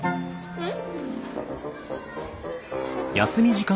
うん。